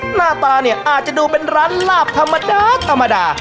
หน้าตาเนี่ยอาจจะดูเป็นร้านลาบธรรมดาธรรมดา